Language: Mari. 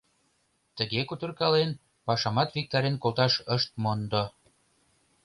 Тыге кутыркален, пашамат виктарен колташ ышт мондо.